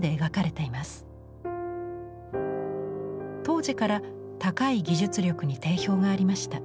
当時から高い技術力に定評がありました。